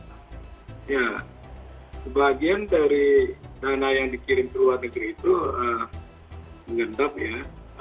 ya sebagian dari dana yang dikirim ke luar negeri itu mengendap ya